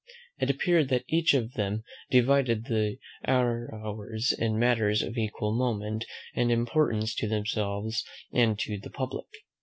It appeared that each of them divided their hours in matters of equal moment and importance to themselves and to the public.